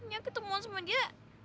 ya ketemu sama dia